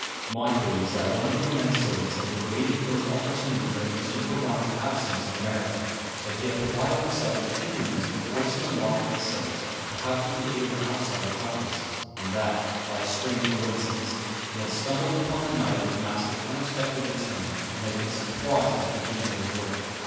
My theory was that one of your men servants had been waiting for his opportunity during Mr. Provana's absence in America; that he had provided himself with implements for forcing the lock of the safe, perhaps with the aid of an outside accomplice, and that, by a strange coincidence, he had stumbled upon the night of his master's unexpected return, and had been surprised at the beginning of his work.